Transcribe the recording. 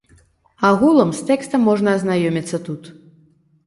Агулам з тэкстам можна азнаёміцца тут.